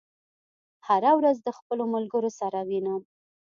هره ورځ د خپلو ملګرو سره وینم.